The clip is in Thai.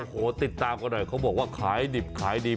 โอ้โหติดตามกันหน่อยเขาบอกว่าขายดิบขายดี